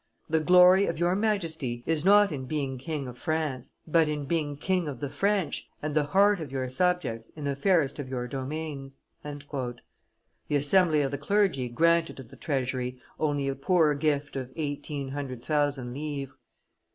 The glory of your Majesty is not in being King of France, but in being King of the French, and the heart of your subjects in the fairest of your domains." The assembly of the clergy granted to the treasury only a poor gift of eighteen hundred thousand livres.